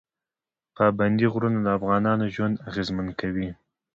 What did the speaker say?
پابندی غرونه د افغانانو ژوند اغېزمن کوي.